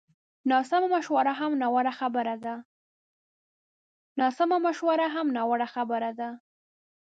ناسمه مشوره هم ناوړه خبره ده